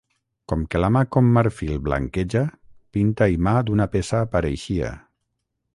Com que la mà com marfil blanqueja, pinta i mà d'una peça pareixia.